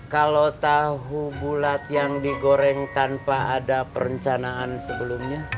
kalau tahu bulat yang digoreng tanpa ada perencanaan sebelumnya